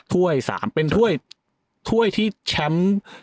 ถ้วย๓เป็นถ้วยที่แชมป์